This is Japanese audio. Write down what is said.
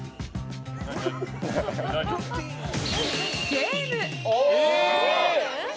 ゲーム！